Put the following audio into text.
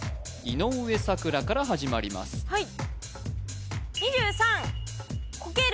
井上咲楽から始まりますはい